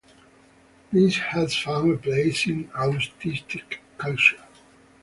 This has found a place in autistic culture.